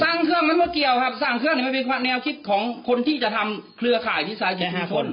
สั่งเครื่องมันเกี่ยวครับสั่งเครื่องมันเป็นแนวคิดของคนที่จะทำเครือข่ายที่ศาลกิจชุมชน